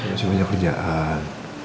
masih banyak kerjaan